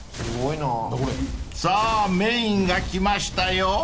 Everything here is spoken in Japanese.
［さぁメインが来ましたよ］